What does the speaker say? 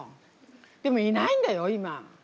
でもいないんだよ今。